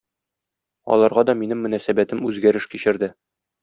Аларга да минем мөнәсәбәтем үзгәреш кичерде.